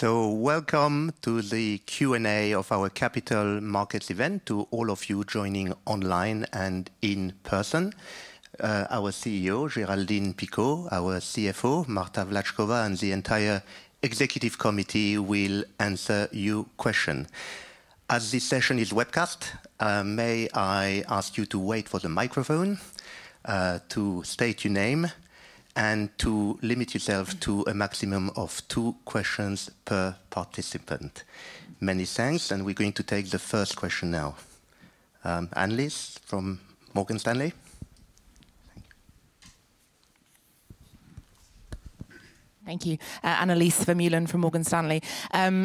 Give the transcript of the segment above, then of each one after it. Welcome to the Q&A of our capital markets event, to all of you joining online and in person. Our CEO, Géraldine Picaud, our CFO, Marta Vlatchkova, and the entire executive committee will answer your questions. As this session is webcast, may I ask you to wait for the microphone, to state your name, and to limit yourself to a maximum of two questions per participant? Many thanks, and we're going to take the first question now. Anneliese from Morgan Stanley. Thank you. Anneliese Peeters from Morgan Stanley.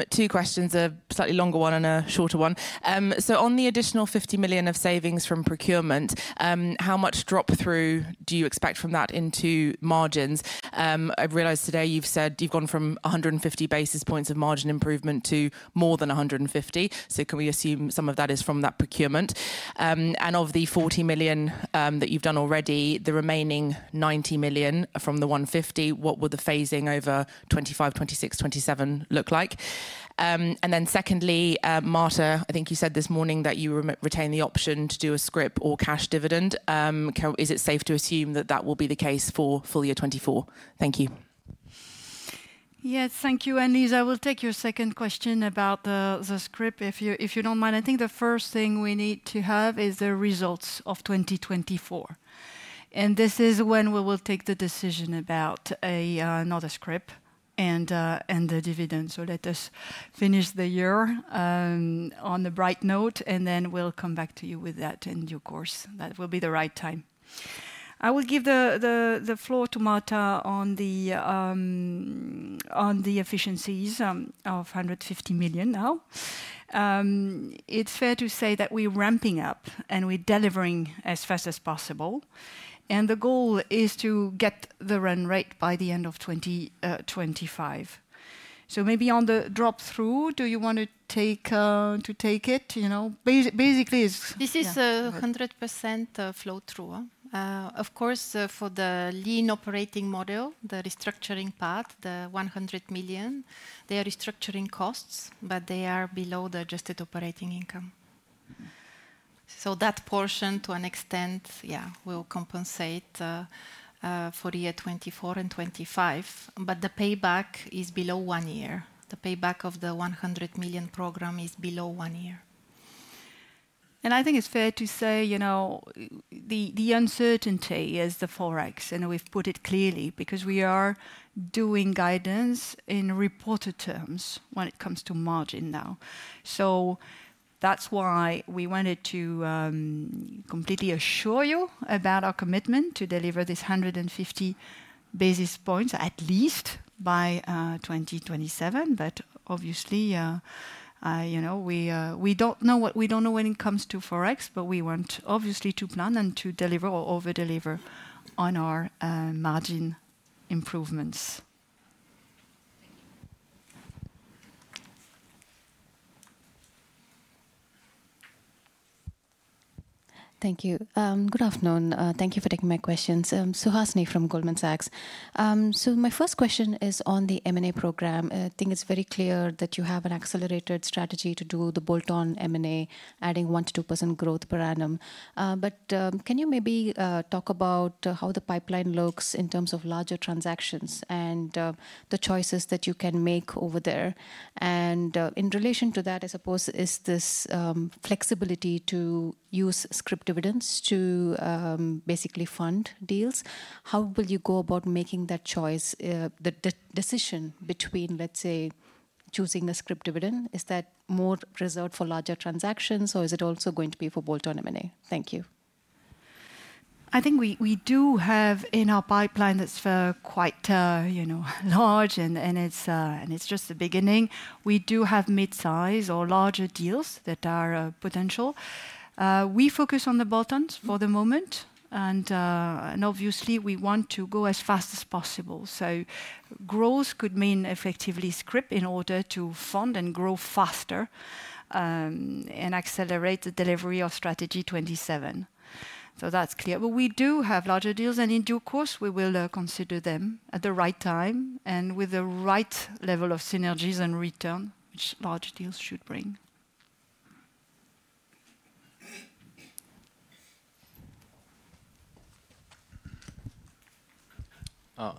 Two questions, a slightly longer one and a shorter one. So on the additional 50 million of savings from procurement, how much drop-through do you expect from that into margins? I've realized today you've said you've gone from 150 basis points of margin improvement to more than 150, so can we assume some of that is from that procurement? And of the 40 million that you've done already, the remaining 90 million from the 150, what will the phasing over 2025, 2026, 2027 look like? And then secondly, Marta, I think you said this morning that you retain the option to do a scrip or cash dividend. Is it safe to assume that that will be the case for full year 2024? Thank you. Yes, thank you, Anneliese. I will take your second question about the scrip, if you don't mind. I think the first thing we need to have is the results of 2024, and this is when we will take the decision about another scrip and the dividend. Let us finish the year on a bright note, and then we'll come back to you with that in due course. That will be the right time. I will give the floor to Marta on the efficiencies of 150 million now. It's fair to say that we're ramping up and we're delivering as fast as possible, and the goal is to get the run rate by the end of 2025. So maybe on the drop-through, do you want to take it? Basically. This is 100% flow-through. Of course, for the lean operating model, the restructuring part, the 100 million, they are restructuring costs, but they are below the adjusted operating income. So that portion, to an extent, yeah, will compensate for 2024 and 2025. But the payback is below one year. The payback of the 100 million program is below one year. I think it's fair to say, you know, the uncertainty is the forex, and we've put it clearly because we are doing guidance in reported terms when it comes to margin now. So that's why we wanted to completely assure you about our commitment to deliver this 150 basis points at least by 2027. But obviously, you know, we don't know when it comes to forex, but we want obviously to plan and to deliver or overdeliver on our margin improvements. Thank you. Good afternoon. Thank you for taking my questions. Suhasini from Goldman Sachs. So my first question is on the M&A program. I think it's very clear that you have an accelerated strategy to do the bolt-on M&A, adding 1%-2% growth per annum. But can you maybe talk about how the pipeline looks in terms of larger transactions and the choices that you can make over there? And in relation to that, I suppose, is this flexibility to use scrip dividends to basically fund deals? How will you go about making that choice, the decision between, let's say, choosing a scrip dividend? Is that more reserved for larger transactions, or is it also going to be for bolt-on M&A? Thank you. I think we do have in our pipeline that's quite large, and it's just the beginning. We do have mid-size or larger deals that are potential. We focus on the bolt-ons for the moment, and obviously we want to go as fast as possible, so growth could mean effectively scrip in order to fund and grow faster and accelerate the delivery of Strategy 2027, so that's clear, but we do have larger deals, and in due course, we will consider them at the right time and with the right level of synergies and return which large deals should bring.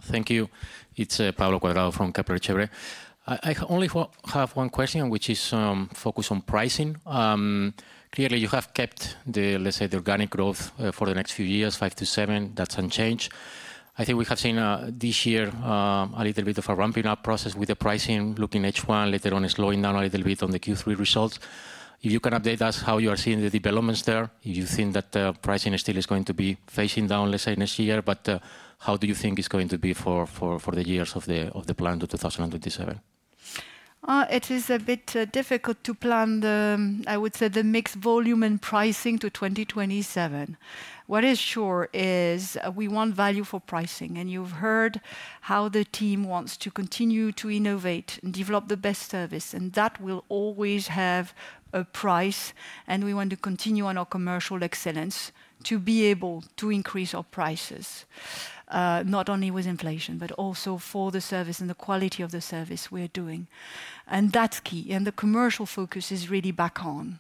Thank you. It's Pablo Cuadrado from Kepler Cheuvreux. I only have one question, which is focused on pricing. Clearly, you have kept the, let's say, the organic growth for the next few years, five to seven. That's unchanged. I think we have seen this year a little bit of a ramping-up process with the pricing looking H1. Later on, it's slowing down a little bit on the Q3 results. If you can update us how you are seeing the developments there, if you think that the pricing still is going to be phasing down, let's say, next year, but how do you think it's going to be for the years of the plan to 2027? It is a bit difficult to plan, I would say, the mix of volume and pricing to 2027. What is sure is we want value for pricing. And you've heard how the team wants to continue to innovate and develop the best service. And that will always have a price. And we want to continue on our commercial excellence to be able to increase our prices, not only with inflation, but also for the service and the quality of the service we are doing. And that's key. And the commercial focus is really back on.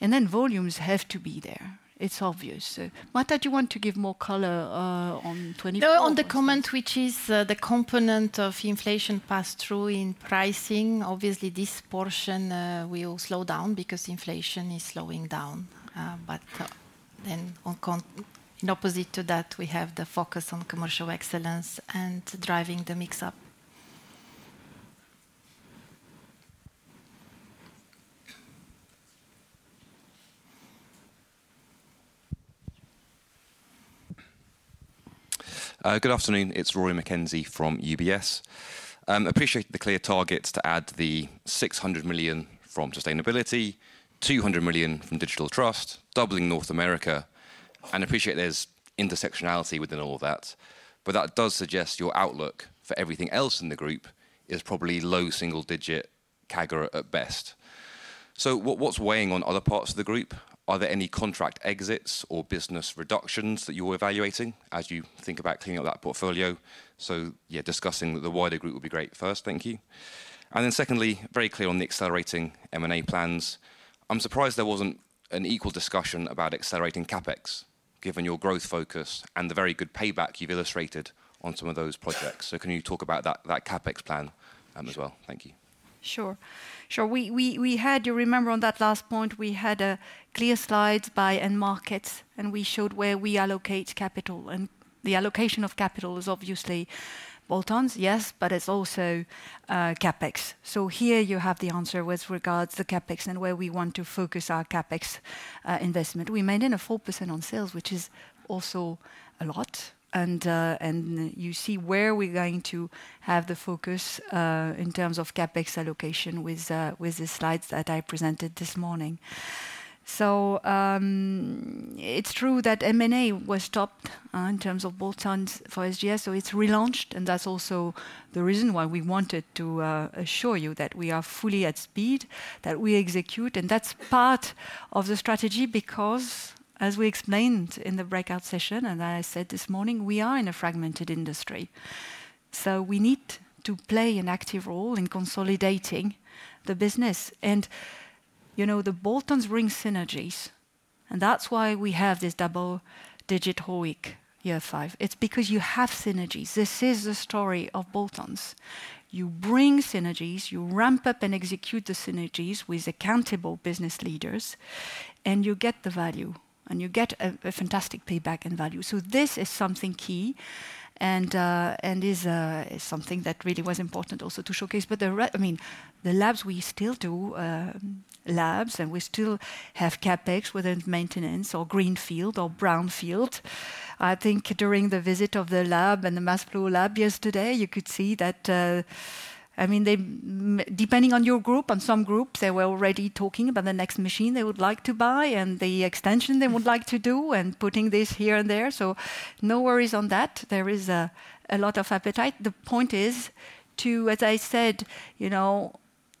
And then volumes have to be there. It's obvious. Marta, do you want to give more color on 2024? On the comment, which is the component of inflation passed through in pricing, obviously this portion will slow down because inflation is slowing down. But then in opposite to that, we have the focus on commercial excellence and driving the mix. Good afternoon. It's Rory McKenzie from UBS. Appreciate the clear targets to add the 600 million from sustainability, 200 million from digital trust, doubling North America, and appreciate there's intersectionality within all of that. But that does suggest your outlook for everything else in the group is probably low single-digit CAGR at best. So what's weighing on other parts of the group? Are there any contract exits or business reductions that you're evaluating as you think about cleaning up that portfolio? So yeah, discussing the wider group would be great first. Thank you. And then secondly, very clear on the accelerating M&A plans. I'm surprised there wasn't an equal discussion about accelerating CapEx, given your growth focus and the very good payback you've illustrated on some of those projects. So can you talk about that CapEx plan as well? Thank you. Sure. Sure. We had, you remember on that last point, we had clear slides by end markets, and we showed where we allocate capital. And the allocation of capital is obviously bolt-ons, yes, but it's also CapEx. So here you have the answer with regards to CapEx and where we want to focus our CapEx investment. We maintain a 4% on sales, which is also a lot. And you see where we're going to have the focus in terms of CapEx allocation with the slides that I presented this morning. So it's true that M&A was stopped in terms of bolt-ons for SGS. So it's relaunched. And that's also the reason why we wanted to assure you that we are fully at speed, that we execute. And that's part of the strategy because, as we explained in the breakout session, and I said this morning, we are in a fragmented industry. So we need to play an active role in consolidating the business. And you know the bolt-ons bring synergies. And that's why we have this double-digit ROIC year five. It's because you have synergies. This is the story of bolt-ons. You bring synergies, you ramp up and execute the synergies with accountable business leaders, and you get the value, and you get a fantastic payback and value. So this is something key and is something that really was important also to showcase. But I mean, the labs, we still do labs, and we still have CapEx within maintenance or greenfield or brownfield. I think during the visit of the lab and the Mass Lab yesterday, you could see that, I mean, depending on your group, on some groups, they were already talking about the next machine they would like to buy and the extension they would like to do and putting this here and there. So no worries on that. There is a lot of appetite. The point is to, as I said, you know,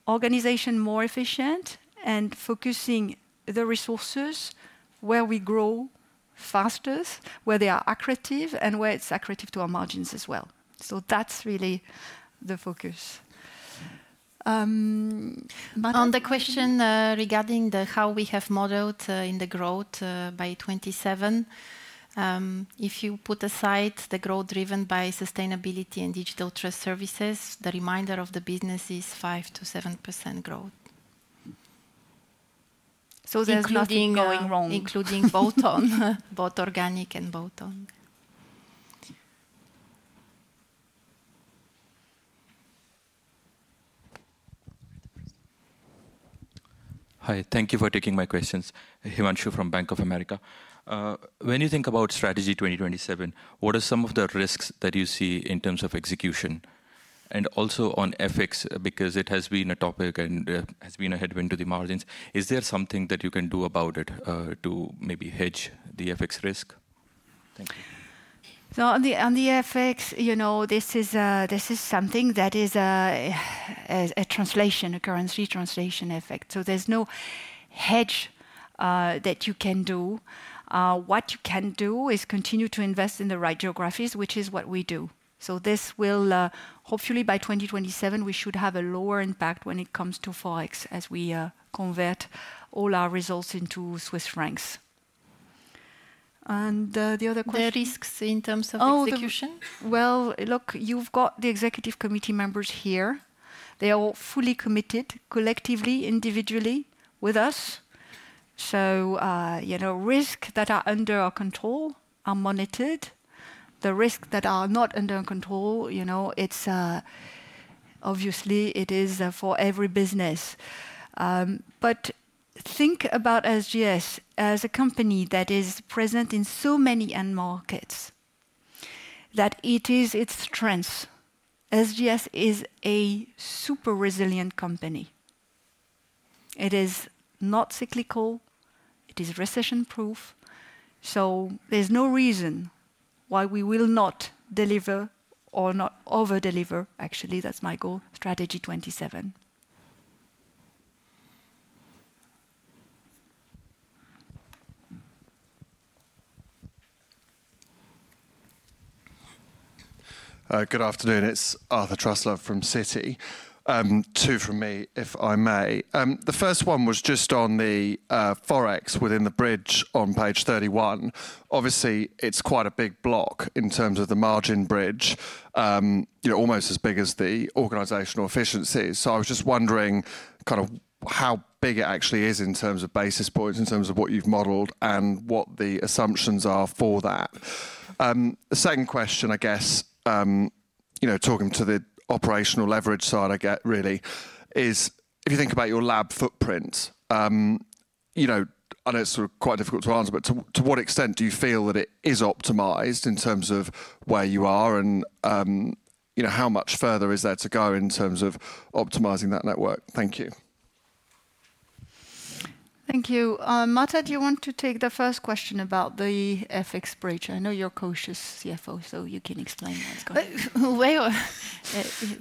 organization more efficient and focusing the resources where we grow fastest, where they are accurate and where it's accurate to our margins as well. So that's really the focus. On the question regarding how we have modeled in the growth by 2027, if you put aside the growth driven by sustainability and digital trust services, the remainder of the business is 5%-7% growth. Including bolt-on, both organic and bolt-on. Hi, thank you for taking my questions. Himanshu from Bank of America. When you think about Strategy 2027, what are some of the risks that you see in terms of execution? And also on FX, because it has been a topic and has been a headwind to the margins, is there something that you can do about it to maybe hedge the FX risk? Thank you. On the FX, you know, this is something that is a translation, a currency translation effect. There's no hedge that you can do. What you can do is continue to invest in the right geographies, which is what we do. This will hopefully, by 2027, we should have a lower impact when it comes to forex as we convert all our results into Swiss francs. And the other question. The risks in terms of execution? Look, you've got the executive committee members here. They are all fully committed collectively, individually with us. So risks that are under our control are monitored. The risks that are not under our control, you know, obviously it is for every business. But think about SGS as a company that is present in so many end markets that it is its strength. SGS is a super resilient company. It is not cyclical. It is recession-proof. So there's no reason why we will not deliver or not overdeliver. Actually, that's my goal, Strategy 2027. Good afternoon. It's Arthur Truslove from Citi. Two from me, if I may. The first one was just on the forex within the bridge on page 31. Obviously, it's quite a big block in terms of the margin bridge, almost as big as the organizational efficiencies. So I was just wondering kind of how big it actually is in terms of basis points, in terms of what you've modeled and what the assumptions are for that. The second question, I guess, you know, talking to the operational leverage side, I get really is if you think about your lab footprint, you know, I know it's quite difficult to answer, but to what extent do you feel that it is optimized in terms of where you are and how much further is there to go in terms of optimizing that network? Thank you. Thank you. Marta, do you want to take the first question about the FX bridge? I know you're SGS's CFO, so you can explain that.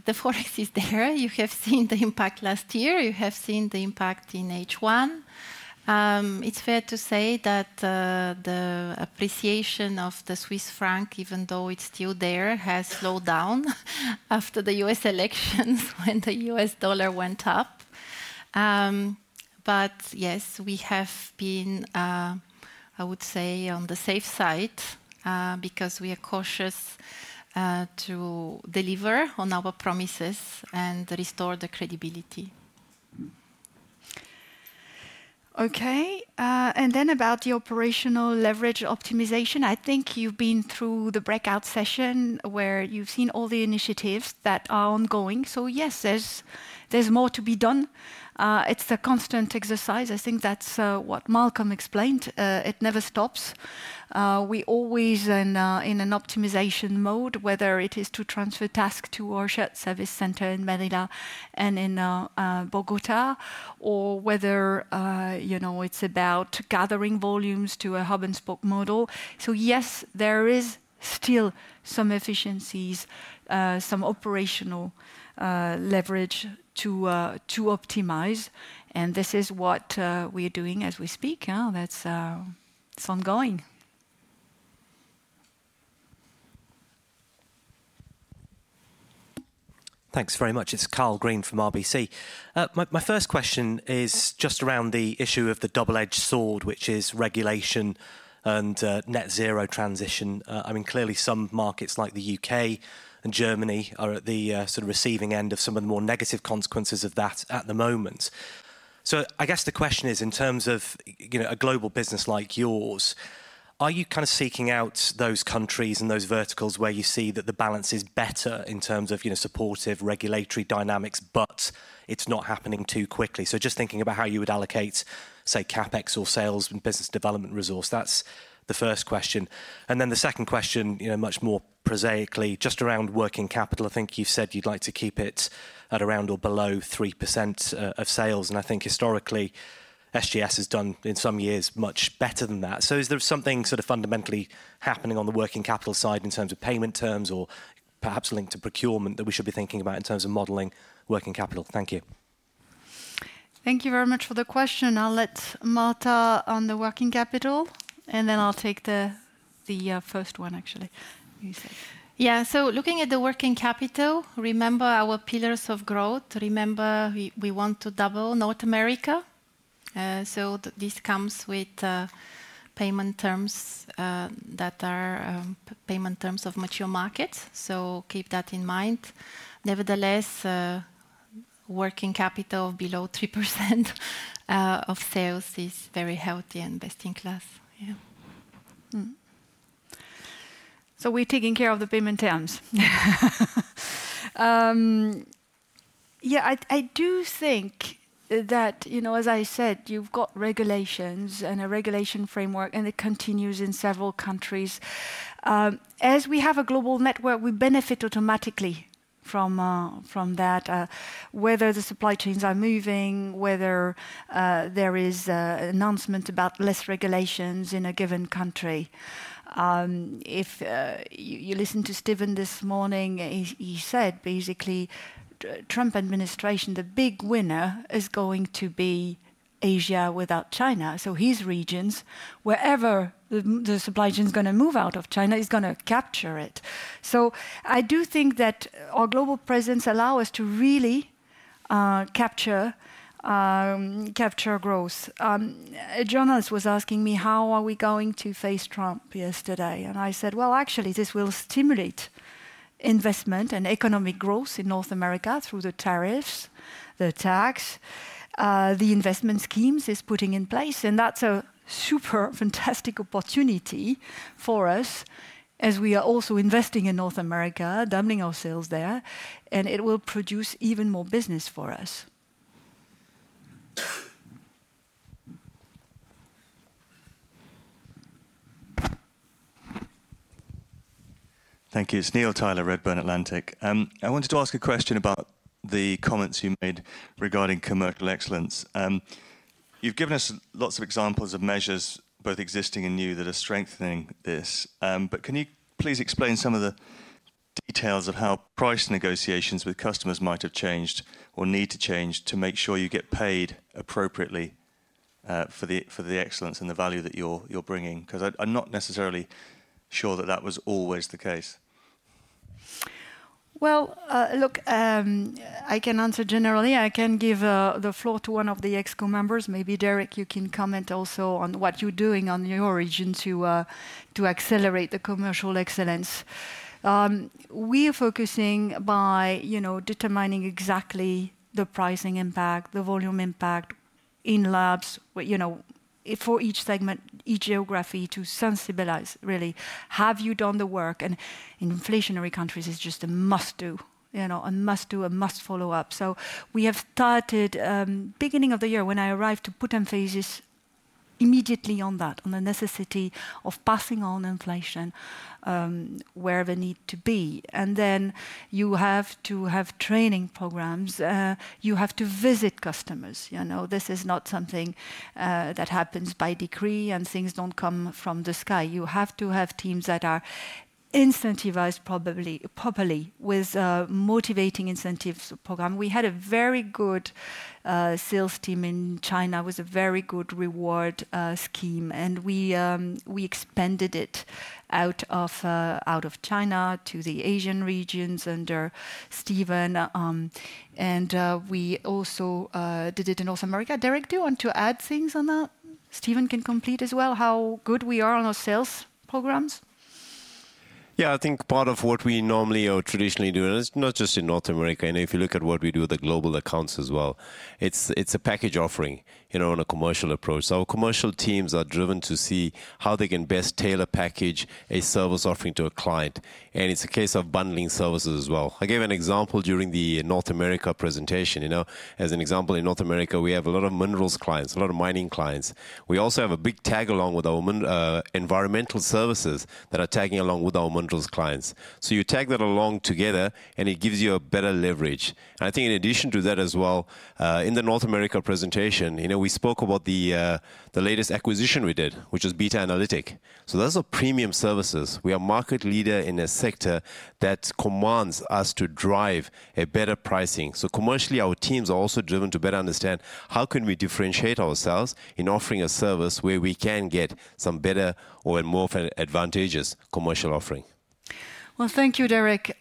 The forex is there. You have seen the impact last year. You have seen the impact in H1. It's fair to say that the appreciation of the Swiss franc, even though it's still there, has slowed down after the U.S. elections when the U.S. dollar went up. But yes, we have been, I would say, on the safe side because we are cautious to deliver on our promises and restore the credibility. Okay. And then about the operational leverage optimization, I think you've been through the breakout session where you've seen all the initiatives that are ongoing. So yes, there's more to be done. It's a constant exercise. I think that's what Malcolm explained. It never stops. We always are in an optimization mode, whether it is to transfer tasks to our shared service center in Manila and in Bogotá, or whether it's about gathering volumes to a hub-and-spoke model. So yes, there is still some efficiencies, some operational leverage to optimize. And this is what we are doing as we speak. That's ongoing. Thanks very much. It's Karl Green from RBC. My first question is just around the issue of the double-edged sword, which is regulation and net-zero transition. I mean, clearly some markets like the U.K. and Germany are at the sort of receiving end of some of the more negative consequences of that at the moment. So I guess the question is in terms of a global business like yours, are you kind of seeking out those countries and those verticals where you see that the balance is better in terms of supportive regulatory dynamics, but it's not happening too quickly? So just thinking about how you would allocate, say, CapEx or sales and business development resource, that's the first question. And then the second question, much more prosaically, just around working capital, I think you've said you'd like to keep it at around or below 3% of sales. And I think historically, SGS has done in some years much better than that. So is there something sort of fundamentally happening on the working capital side in terms of payment terms or perhaps linked to procurement that we should be thinking about in terms of modeling working capital? Thank you. Thank you very much for the question. I'll let Marta on the working capital, and then I'll take the first one, actually. Yeah. So looking at the working capital, remember our pillars of growth, remember we want to double North America. So this comes with payment terms that are payment terms of mature markets. So keep that in mind. Nevertheless, working capital below 3% of sales is very healthy and best in class. So we're taking care of the payment terms. Yeah, I do think that, you know, as I said, you've got regulations and a regulation framework, and it continues in several countries. As we have a global network, we benefit automatically from that, whether the supply chains are moving, whether there is an announcement about less regulations in a given country. If you listen to Steven this morning, he said basically, Trump administration, the big winner is going to be Asia without China. So his regions, wherever the supply chain is going to move out of China, is going to capture it. So I do think that our global presence allows us to really capture growth. A journalist was asking me, how are we going to face Trump yesterday? I said, well, actually, this will stimulate investment and economic growth in North America through the tariffs, the tax, the investment schemes he's putting in place. That's a super fantastic opportunity for us as we are also investing in North America, doubling our sales there, and it will produce even more business for us. Thank you. It's Neil Tyler, Redburn Atlantic. I wanted to ask a question about the comments you made regarding commercial excellence. You've given us lots of examples of measures, both existing and new, that are strengthening this. But can you please explain some of the details of how price negotiations with customers might have changed or need to change to make sure you get paid appropriately for the excellence and the value that you're bringing? Because I'm not necessarily sure that that was always the case. Look, I can answer generally. I can give the floor to one of the ExCo members. Maybe Derek, you can comment also on what you're doing on your region to accelerate the commercial excellence. We are focusing by determining exactly the pricing impact, the volume impact in labs for each segment, each geography to sensitize, really. Have you done the work? In inflationary countries, it's just a must-do, a must-do, a must-follow-up. We have started at the beginning of the year when I arrived to put emphasis immediately on that, on the necessity of passing on inflation wherever need to be. You have to have training programs. You have to visit customers. This is not something that happens by decree and things don't come from the sky. You have to have teams that are incentivized properly with motivating incentives program. We had a very good sales team in China with a very good reward scheme, and we expanded it out of China to the Asian regions under Steven. And we also did it in North America. Derek, do you want to add things on that? Steven can complete as well how good we are on our sales programs. Yeah, I think part of what we normally or traditionally do, and it's not just in North America, and if you look at what we do with the global accounts as well, it's a package offering on a commercial approach. So commercial teams are driven to see how they can best tailor package a service offering to a client. And it's a case of bundling services as well. I gave an example during the North America presentation. As an example, in North America, we have a lot of minerals clients, a lot of mining clients. We also have a big tag along with our environmental services that are tagging along with our minerals clients. So you tag that along together, and it gives you a better leverage. And I think in addition to that as well, in the North America presentation, we spoke about the latest acquisition we did, which was Beta Analytic. So those are premium services. We are a market leader in a sector that commands us to drive a better pricing. So commercially, our teams are also driven to better understand how can we differentiate ourselves in offering a service where we can get some better or more advantageous commercial offering. Thank you Derek.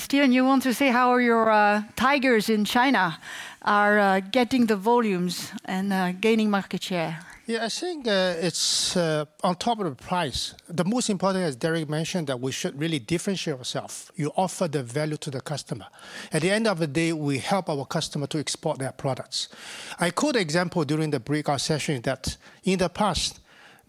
Steven, you want to see how your tigers in China are getting the volumes and gaining market share? Yeah, I think it's on top of the price. The most important is, Derek mentioned that we should really differentiate ourselves. You offer the value to the customer. At the end of the day, we help our customer to export their products. I quote an example during the breakout session that in the past,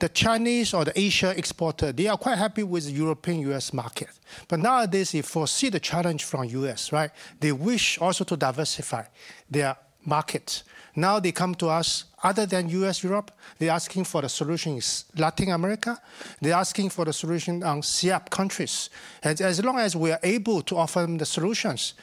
the Chinese or the Asian exporter, they are quite happy with the European US market. But nowadays, if you foresee the challenge from the U.S., right, they wish also to diversify their markets. Now they come to us, other than U.S., Europe, they're asking for the solution in Latin America. They're asking for the solution on SIAP countries. As long as we are able to offer them the solutions,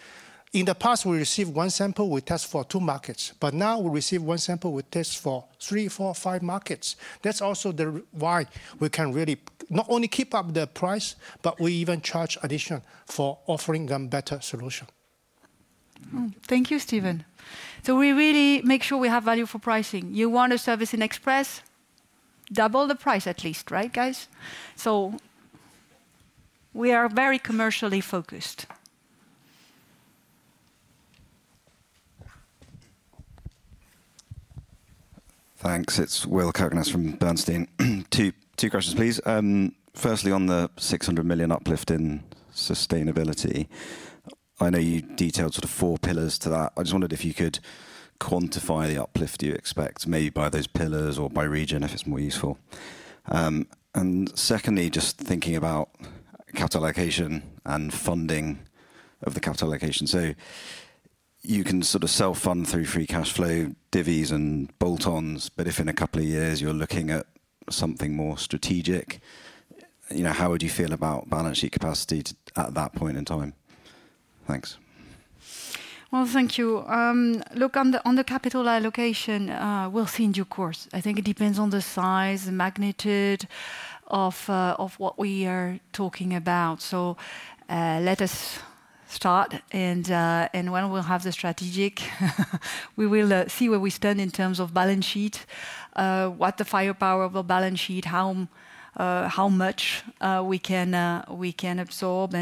in the past, we received one sample, we test for two markets. But now we receive one sample, we test for three, four, five markets. That's also why we can really not only keep up the price, but we even charge additional for offering them better solutions. Thank you, Steven. So we really make sure we have value for pricing. You want a service in express, double the price at least, right, guys? So we are very commercially focused. Thanks. It's William Kirkness from Sanford C. Bernstein. Two questions, please. Firstly, on the 600 million uplift in sustainability, I know you detailed sort of four pillars to that. I just wondered if you could quantify the uplift you expect, maybe by those pillars or by region if it's more useful. And secondly, just thinking about capital allocation and funding of the capital allocation. So you can sort of self-fund through free cash flow, divvies, and bolt-ons, but if in a couple of years you're looking at something more strategic, how would you feel about balance sheet capacity at that point in time? Thanks. Thank you. Look, on the capital allocation, we'll see in due course. I think it depends on the size, the magnitude of what we are talking about. So let us start, and when we'll have the strategic, we will see where we stand in terms of balance sheet, what the firepower of the balance sheet, how much we can absorb,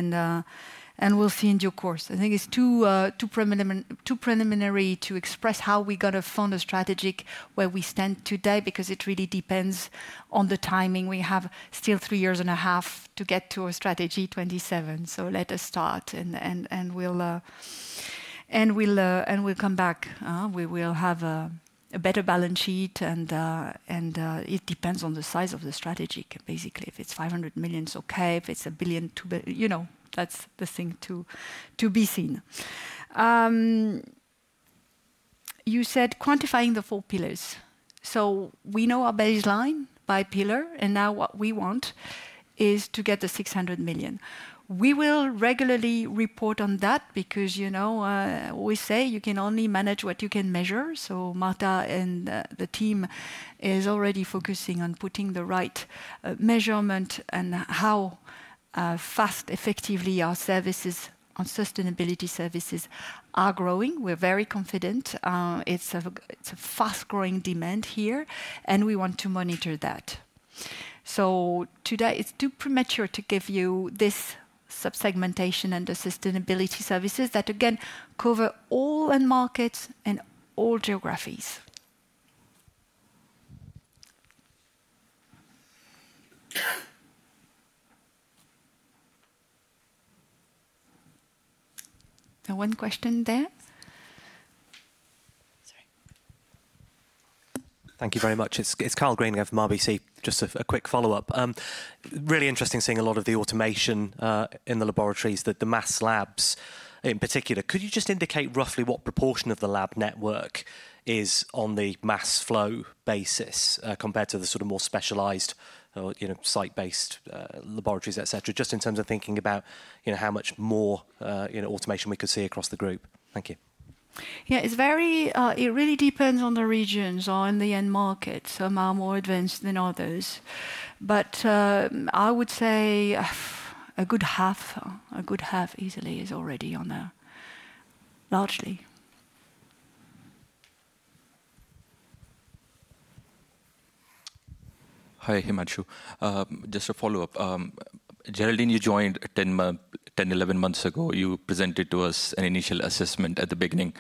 and we'll see in due course. I think it's too preliminary to express how we're going to fund a strategy where we stand today because it really depends on the timing. We have still three years and a half to get to Strategy 2027. So let us start, and we'll come back. We will have a better balance sheet, and it depends on the size of the strategy, basically. If it's 500 million, it's okay. If it's 1 billion, that's the thing to be seen. You said quantifying the four pillars. So we know our baseline by pillar, and now what we want is to get the 600 million. We will regularly report on that because we say you can only manage what you can measure. So Marta and the team are already focusing on putting the right measurement and how fast, effectively our services on sustainability services are growing. We're very confident. It's a fast-growing demand here, and we want to monitor that. So today, it's too premature to give you this subsegmentation and the sustainability services that, again, cover all markets and all geographies. One question there. Thank you very much. It's Karl Green of RBC Capital Markets. Just a quick follow-up. Really interesting seeing a lot of the automation in the laboratories, the Mass Labs in particular. Could you just indicate roughly what proportion of the lab network is on the mass flow basis compared to the sort of more specialized site-based laboratories, et cetera, just in terms of thinking about how much more automation we could see across the group? Thank you. Yeah, it really depends on the regions, on the end markets. Some are more advanced than others. But I would say a good half, a good half easily is already on there, largely. Hi, Himanshu. Just a follow-up. Géraldine, you joined 10, 11 months ago. You presented to us an initial assessment at the beginning.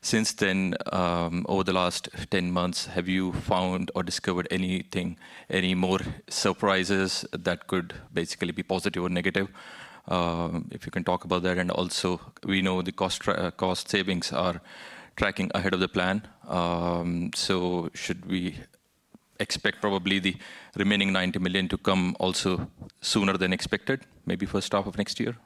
Since then, over the last 10 months, have you found or discovered anything, any more surprises that could basically be positive or negative? If you can talk about that. And also, we know the cost savings are tracking ahead of the plan. So should we expect probably the remaining 90 million to come also sooner than expected, maybe first half of next year?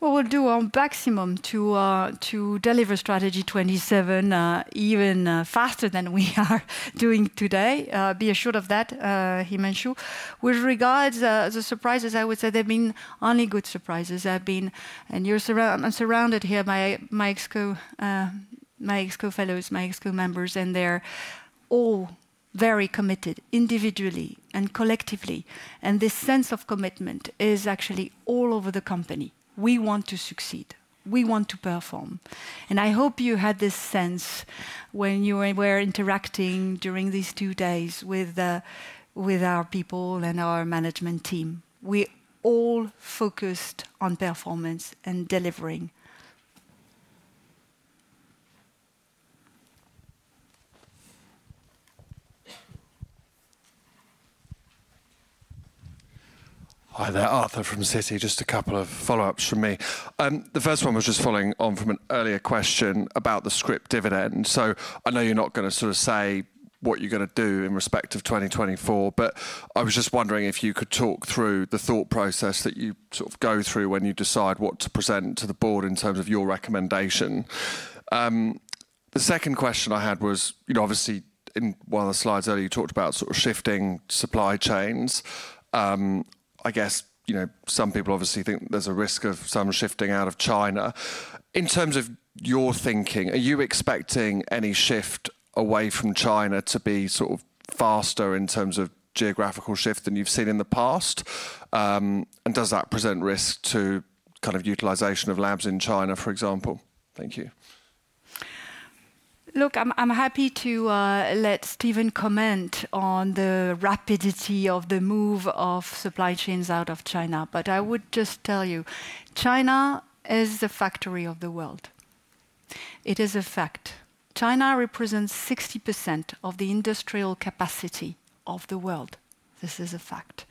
We'll do our maximum to deliver Strategy 2027 even faster than we are doing today. Be assured of that, Himanshu. With regards to the surprises, I would say there have been only good surprises. I've been and you're surrounded here by my exco fellows, my exco members, and they're all very committed individually and collectively. This sense of commitment is actually all over the company. We want to succeed. We want to perform. I hope you had this sense when you were interacting during these two days with our people and our management team. We all focused on performance and delivering. Hi there, Arthur from Citi. Just a couple of follow-ups from me. The first one was just following on from an earlier question about the scrip dividend. So I know you're not going to sort of say what you're going to do in respect of 2024, but I was just wondering if you could talk through the thought process that you sort of go through when you decide what to present to the board in terms of your recommendation. The second question I had was, obviously, in one of the slides earlier, you talked about sort of shifting supply chains. I guess some people obviously think there's a risk of some shifting out of China. In terms of your thinking, are you expecting any shift away from China to be sort of faster in terms of geographical shift than you've seen in the past? Does that present risk to kind of utilization of labs in China, for example? Thank you. Look, I'm happy to let Steven comment on the rapidity of the move of supply chains out of China, but I would just tell you, China is the factory of the world. It is a fact. China represents 60% of the industrial capacity of the world. This is a fact.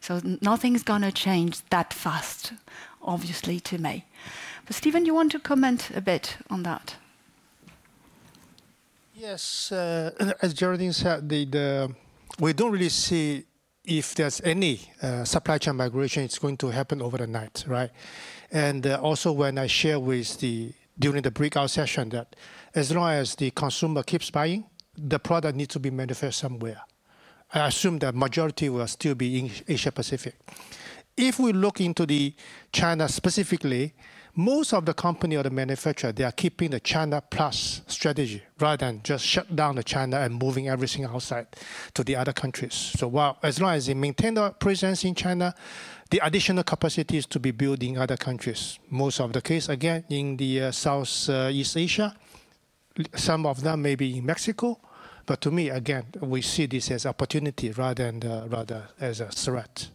So nothing's going to change that fast, obviously, to me. But Steven, you want to comment a bit on that? Yes. As Géraldine said, we don't really see if there's any supply chain migration that's going to happen overnight, right? And also when I shared during the breakout session that as long as the consumer keeps buying, the product needs to be manufactured somewhere. I assume the majority will still be Asia-Pacific. If we look into China specifically, most of the company or the manufacturer, they are keeping the China plus strategy rather than just shutting down China and moving everything outside to the other countries. So as long as they maintain their presence in China, the additional capacity is to be built in other countries. Most of the case, again, in the Southeast Asia, some of them may be in Mexico, but to me, again, we see this as an opportunity rather than as a threat.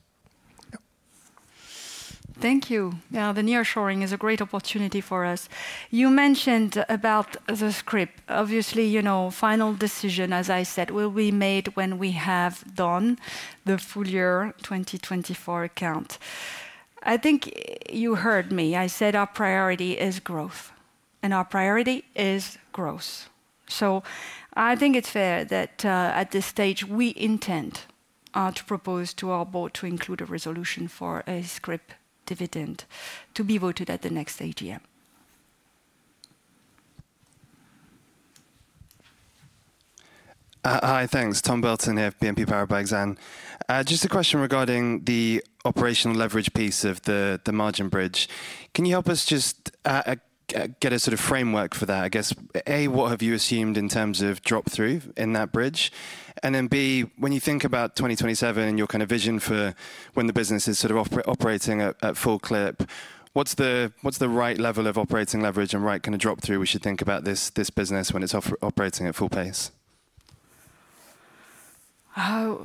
Thank you. The nearshoring is a great opportunity for us. You mentioned about the scrip. Obviously, final decision, as I said, will be made when we have done the full year 2024 account. I think you heard me. I said our priority is growth, and our priority is growth. So I think it's fair that at this stage, we intend to propose to our board to include a resolution for a scrip dividend to be voted at the next AGM. Hi, thanks. Tom Belton here, BNP Paribas Exane. Just a question regarding the operational leverage piece of the margin bridge. Can you help us just get a sort of framework for that? I guess, A, what have you assumed in terms of drop-through in that bridge? And then B, when you think about 2027 and your kind of vision for when the business is sort of operating at full clip, what's the right level of operating leverage and right kind of drop-through we should think about this business when it's operating at full pace?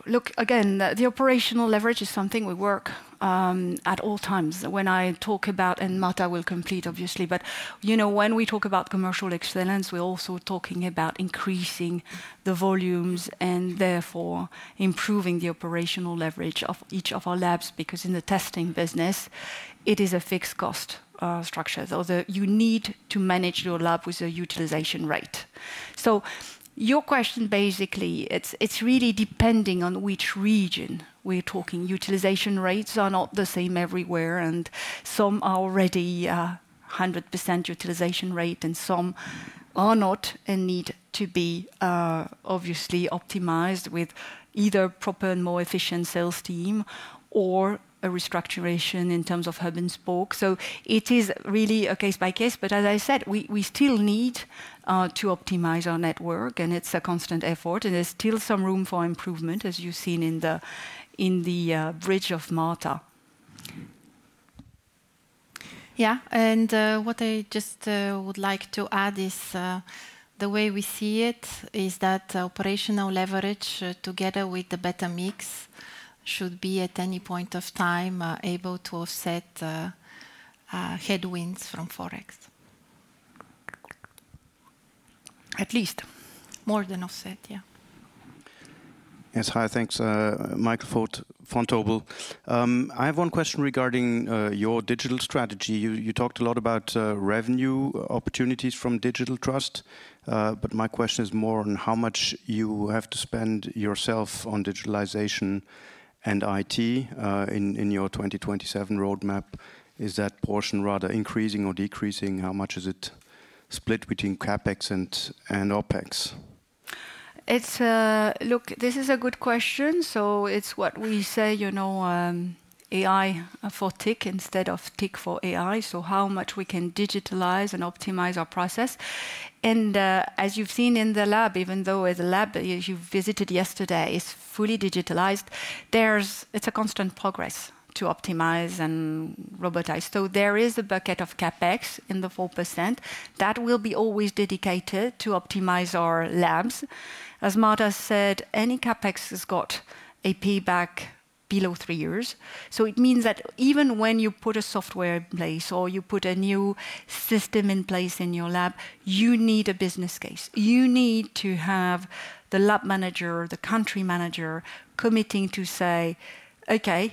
Look, again, the operational leverage is something we work at all times. When I talk about, and Marta will complete, obviously, but when we talk about commercial excellence, we're also talking about increasing the volumes and therefore improving the operational leverage of each of our labs because in the testing business, it is a fixed cost structure. You need to manage your lab with a utilization rate. So your question, basically, it's really depending on which region we're talking. Utilization rates are not the same everywhere, and some are already 100% utilization rate, and some are not and need to be obviously optimized with either proper and more efficient sales team or a restructuring in terms of hub-and-spoke. So it is really a case by case, but as I said, we still need to optimize our network, and it's a constant effort, and there's still some room for improvement, as you've seen in the bridge of Marta. Yeah, and what I just would like to add is the way we see it is that operational leverage together with the better mix should be at any point of time able to offset headwinds from Forex. At least more than offset, yeah. Yes, hi, thanks, Michael Foeth. I have one question regarding your digital strategy. You talked a lot about revenue opportunities from Digital Trust, but my question is more on how much you have to spend yourself on digitalization and IT in your 2027 roadmap. Is that portion rather increasing or decreasing? How much is it split between CapEx and OpEx? Look, this is a good question. So it's what we say, AI for tech instead of tech for AI, so how much we can digitalize and optimize our process. And as you've seen in the lab, even though the lab you visited yesterday is fully digitalized, it's a constant progress to optimize and robotize. So there is a bucket of CapEx in the 4% that will be always dedicated to optimize our labs. As Marta said, any CapEx has got a payback below three years. So it means that even when you put a software in place or you put a new system in place in your lab, you need a business case. You need to have the lab manager, the country manager committing to say, "Okay,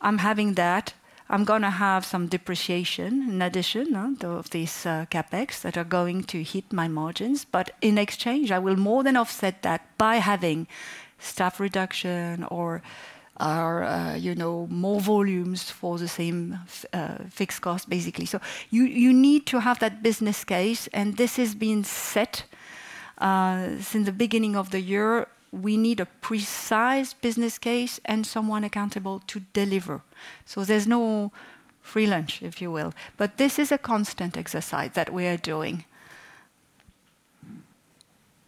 I'm having that. I'm going to have some depreciation in addition to these CapEx that are going to hit my margins, but in exchange, I will more than offset that by having staff reduction or more volumes for the same fixed cost, basically." So you need to have that business case, and this has been set since the beginning of the year. We need a precise business case and someone accountable to deliver. So there's no free lunch, if you will, but this is a constant exercise that we are doing.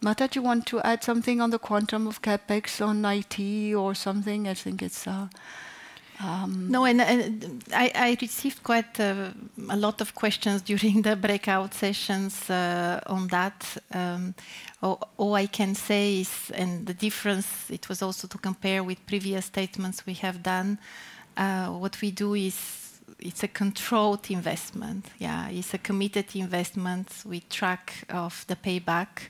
Marta, do you want to add something on the quantum of CapEx on IT or something? I think it's. No, and I received quite a lot of questions during the breakout sessions on that. All I can say is, and the difference, it was also to compare with previous statements we have done. What we do is it's a controlled investment. Yeah, it's a committed investment. We track the payback.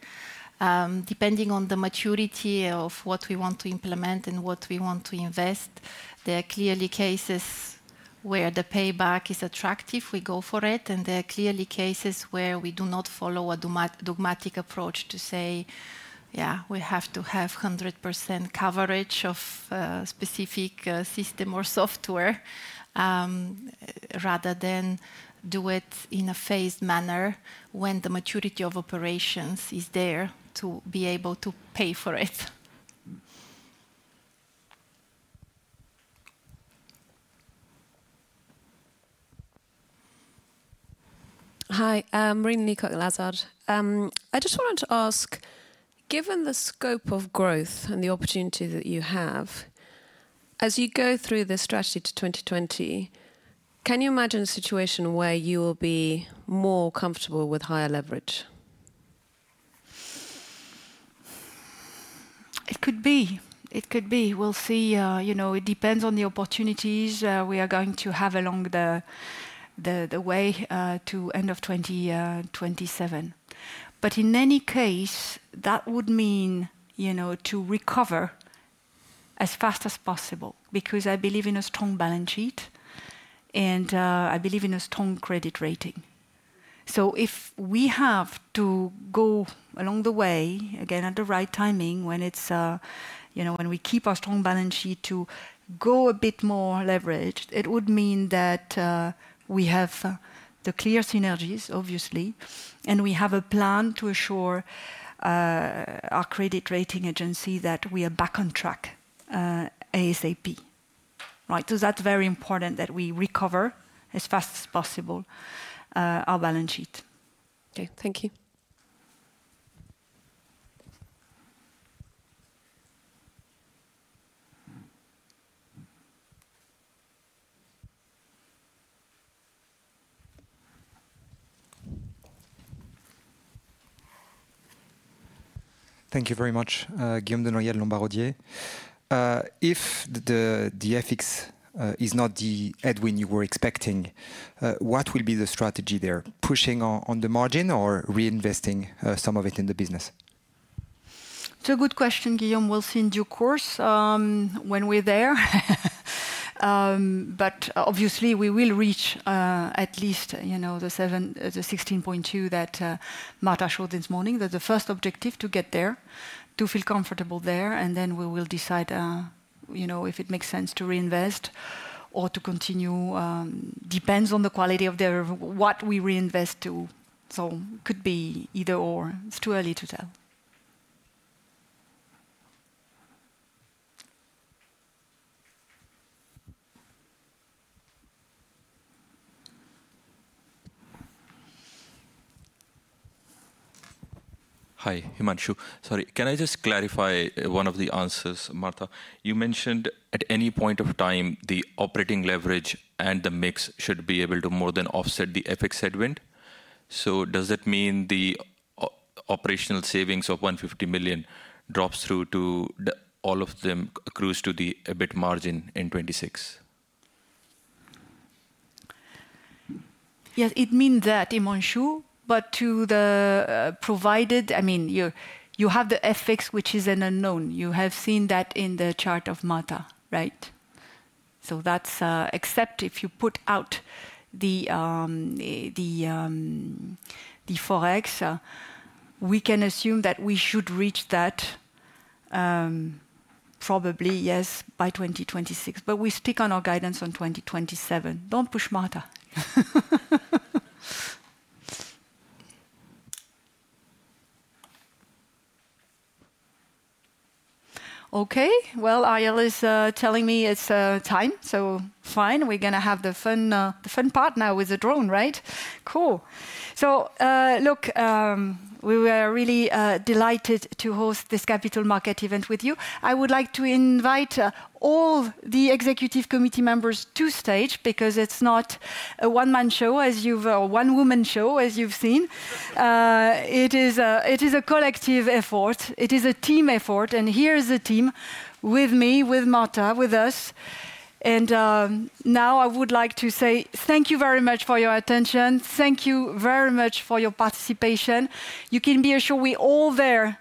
Depending on the maturity of what we want to implement and what we want to invest, there are clearly cases where the payback is attractive. We go for it, and there are clearly cases where we do not follow a dogmatic approach to say, "Yeah, we have to have 100% coverage of a specific system or software," rather than do it in a phased manner when the maturity of operations is there to be able to pay for it. Hi, I'm Renaine E. Lazard. I just wanted to ask, given the scope of growth and the opportunity that you have, as you go through this Strategy 2027, can you imagine a situation where you will be more comfortable with higher leverage? It could be. It could be. We'll see. It depends on the opportunities we are going to have along the way to end of 2027. But in any case, that would mean to recover as fast as possible because I believe in a strong balance sheet, and I believe in a strong credit rating. So if we have to go along the way, again, at the right timing, when we keep our strong balance sheet to go a bit more leveraged, it would mean that we have the clear synergies, obviously, and we have a plan to assure our credit rating agency that we are back on track ASAP. Right? So that's very important that we recover as fast as possible our balance sheet. Okay, thank you. Thank you very much, Guillaume de Noyelle. If the FX is not the headwind you were expecting, what will be the strategy there? Pushing on the margin or reinvesting some of it in the business? It's a good question, Guillaume. We'll see in due course when we're there, but obviously, we will reach at least the 16.2 that Marta showed this morning. That's the first objective to get there, to feel comfortable there, and then we will decide if it makes sense to reinvest or to continue. Depends on the quality of what we reinvest too. So it could be either/or. It's too early to tell. Hi, Himanshu. Sorry, can I just clarify one of the answers, Marta? You mentioned at any point of time, the operating leverage and the mix should be able to more than offset the FX headwind. So does that mean the operational savings of 150 million drops through to all of them accrues to the EBIT margin in 2026? Yes, it means that, Himanshu, but to the provided, I mean, you have the FX, which is an unknown. You have seen that in the chart of Marta, right? So that's except if you put out the Forex, we can assume that we should reach that probably, yes, by 2026, but we stick on our guidance on 2027. Don't push Marta. Okay, well, Ariel is telling me it's time, so fine, we're going to have the fun part now with the drone, right? Cool. So look, we were really delighted to host this capital market event with you. I would like to invite all the executive committee members to stage because it's not a one-man show, as you've, or one-woman show, as you've seen. It is a collective effort. It is a team effort, and here is the team with me, with Marta, with us. Now I would like to say thank you very much for your attention. Thank you very much for your participation. You can be assured we're all there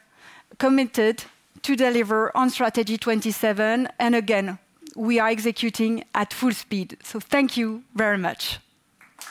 committed to deliver on Strategy 2027, and again, we are executing at full speed. Thank you very much.